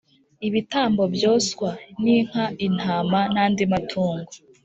ibitambo byoswa ninka intama nandi matungo